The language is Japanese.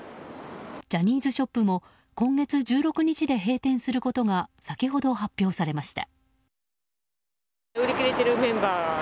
ジャニーズショップも今月１６日で閉店することが先ほど発表されました。